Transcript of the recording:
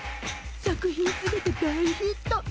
作品全て大ヒット。